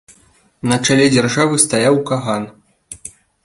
На чале дзяржавы стаяў каган.